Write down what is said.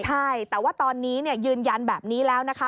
ใช่แต่ว่าตอนนี้ยืนยันแบบนี้แล้วนะคะ